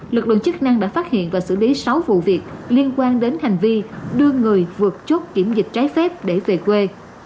lực lượng chức năng đã phát hiện và xử lý sáu vụ việc liên quan đến hành vi đưa người vượt chốt kiểm dịch trái phép để về quê